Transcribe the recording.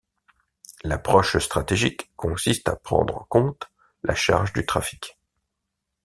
L'approche stratégique consiste à prendre en compte la charge du trafic.